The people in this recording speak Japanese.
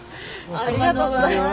ありがとうございます。